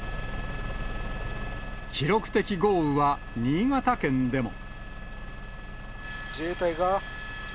記録的豪雨は新潟県でも。